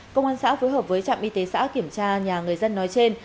công an xã phối hợp với trạm y tế xã kiểm tra nhà người dân nói trên